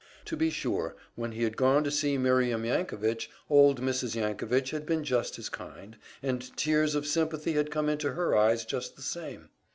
To be sure, when he had gone to see Miriam Yankovich, old Mrs. Yankovich had been just as kind, and tears of sympathy had come into her eyes just the same.